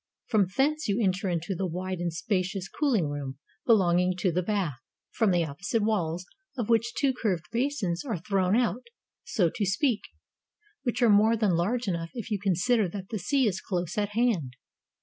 From thence you enter into the wide and spacious cooUng room belonging to the bath, from the opposite walls of which two curved basins are thrown out, so to speak; which are more than large enough if you consider that the sea is close at hand.